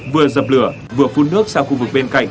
vừa dập lửa vừa phun nước sang khu vực bên cạnh